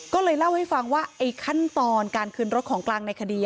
ก็เลยเล่าให้ฟังว่าไอ้ขั้นตอนการคืนรถของกลางในคดี